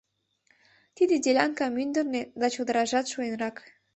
Тиде делянка мӱндырнӧ да чодыражат шуэрак.